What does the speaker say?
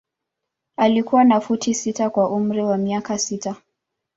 Alikuwa na futi sita kwa umri wa miaka sita.